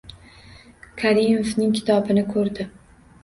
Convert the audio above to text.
Karimovning kitobini ko‘rdi.